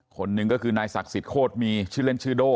คนหนึ่งก็คือนายศักดิ์สิทธิโคตรมีชื่อเล่นชื่อโด่